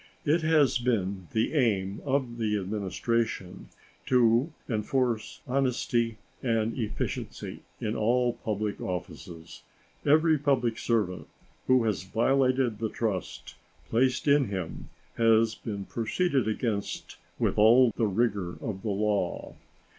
It has been the aim of the Administration to enforce honesty and efficiency in all public offices. Every public servant who has violated the trust placed in him has been proceeded against with all the rigor of the law.